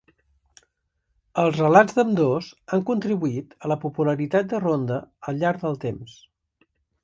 Els relats d'ambdós han contribuït a la popularitat de Ronda al llarg del temps.